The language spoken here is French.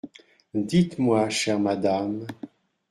Dites-moi, chère madame …